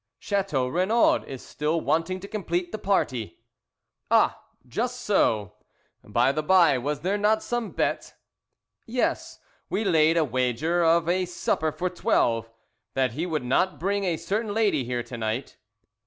"Chateau Renaud is still wanting to complete the party." "Ah, just so. By the by, was there not some bet?" "Yes. We laid a wager of a supper for twelve, that he would not bring a certain lady here to night."